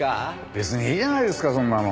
別にいいじゃないですかそんなの。